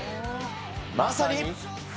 まさに。